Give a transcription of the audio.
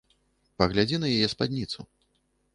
Паглядзі на яе спадніцу.